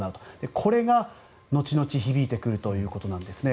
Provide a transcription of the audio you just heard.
これが後々響いてくるということです。